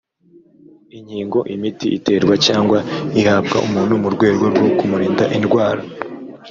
inkingo: imiti iterwa cyangwa ihabwa umuntu mu rwego rwo kumurinda indwara